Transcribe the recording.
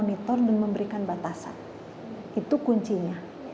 kita harus menjadikan batasan itu kuncinya